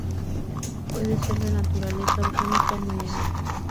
Puede ser de naturaleza orgánica o mineral.